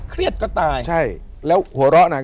เครียดก็ตายใช่แล้วหัวเราะนาง